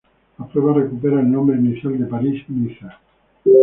La prueba recupera el nombre inicial de París-Niza.